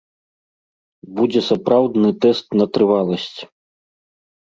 Будзе сапраўдны тэст на трываласць.